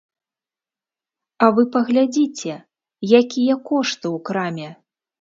А вы паглядзіце, якія кошты ў краме!